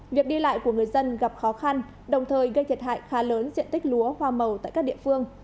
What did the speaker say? việc đi lại của người dân gặp khó khăn đồng thời gây thiệt hại khá lớn diện tích lúa hoa màu tại các địa phương